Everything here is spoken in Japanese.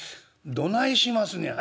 「どないしますねや」。